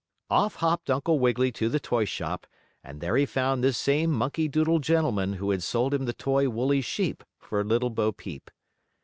Off hopped Uncle Wiggily to the toy shop, and there he found the same monkey doodle gentleman who had sold him the toy woolly sheep for Little Bo Peep.